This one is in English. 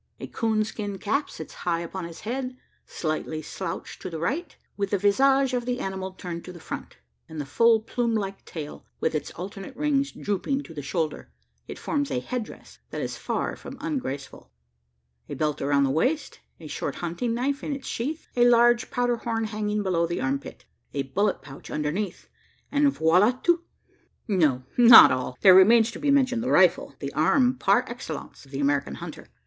A coon skin cap sits high upon his head slightly slouched to the right. With the visage of the animal turned to the front, and the full plume like tail, with its alternate rings, drooping to the shoulder, it forms a head dress that is far from ungraceful. A belt around the waist a short hunting knife in its sheath a large powder horn hanging below the arm pit a bullet pouch underneath, and voila tout! No, not all, there remains to be mentioned the rifle the arm par excellence of the American hunter.